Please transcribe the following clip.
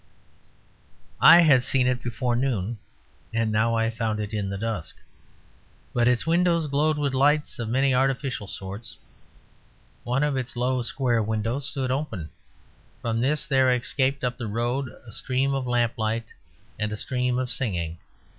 I had seen it before at noon, and now I found it in the dusk. But its windows glowed with lights of many artificial sorts; one of its low square windows stood open; from this there escaped up the road a stream of lamplight and a stream of singing.